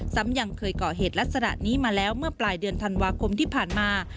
ซ้ำยังเคยเกาะเหตุลักษณะนี้มาแล้วเมื่อปลายเดือนธันวาคมที่ผ่านมา